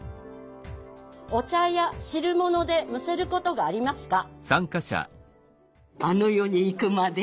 「お茶や汁物でむせることがありますか」。